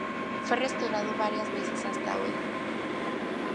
Fue restaurada varias veces hasta hoy.